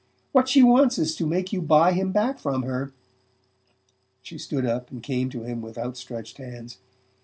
What she wants is to make you buy him back from her." She stood up and came to him with outstretched hands.